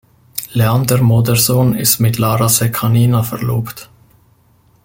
Leander Modersohn ist mit Lara Sekanina verlobt.